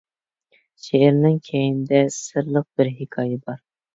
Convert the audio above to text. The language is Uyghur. شېئىرنىڭ كەينىدە سىرلىق بىر ھېكايە بار.